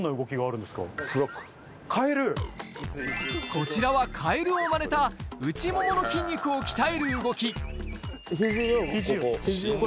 こちらはカエルをまねた内ももの筋肉を鍛える動き肘をここ。